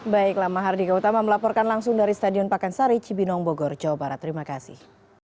baiklah mahardika utama melaporkan langsung dari stadion pakansari cibinong bogor jawa barat terima kasih